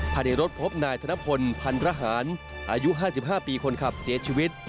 ภายในรถพบนายธนพลพันรหารอายุ๕๕ปีคนขับเสียชีวิต